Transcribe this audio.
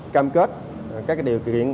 cam kết các cái điều kiện